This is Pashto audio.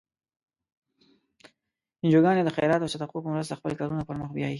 انجوګانې د خیرات او صدقو په مرستو خپل کارونه پر مخ بیایي.